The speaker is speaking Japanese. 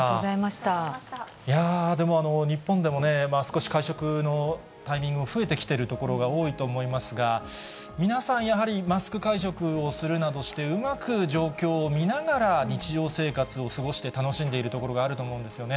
いやー、でも日本でもね、少し会食のタイミングも増えてきている所が多いと思いますが、皆さん、やはりマスク会食などをするなどして、うまく状況を見ながら日常生活を過ごして、楽しんでいるところがあると思うんですよね。